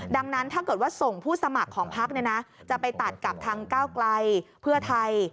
ดังนั้นถ้าเกิดว่าส่งผู้สมัครของพักจะไปตัดกับทางก้าวไกลเพื่อไทย